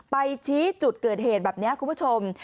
ชี้จุดเกิดเหตุแบบนี้คุณผู้ชม